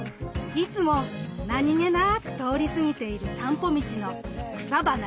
いつも何気なく通り過ぎているさんぽ道の草花や木々。